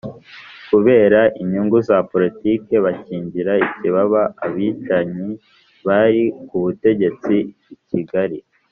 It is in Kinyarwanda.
kubera inyungu za politiki bakingira ikibaba abicanyi bari ku butegetsi i Kigali